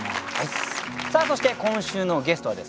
そして今週のゲストはですね